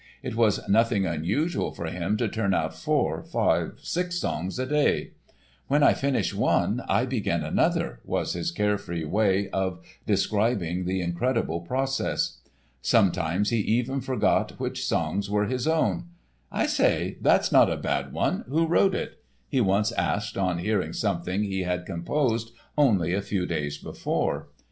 It was nothing unusual for him to turn out four, five, six songs a day. "When I finish one I begin another," was his carefree way of describing the incredible process. Sometimes he even forgot which songs were his own. "I say, that's not a bad one; who wrote it?" he once asked on hearing something he had composed only a few days before.